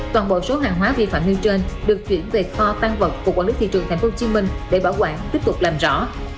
toàn bộ số hàng hóa vi phạm nêu trên được chuyển về kho tăng vật của quản lý thị trường tp hcm để bảo quản tiếp tục làm rõ